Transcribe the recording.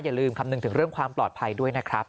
อย่าลืมคำนึงถึงเรื่องความปลอดภัยด้วยนะครับ